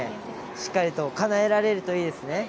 しっかりとかなえられるといいですね。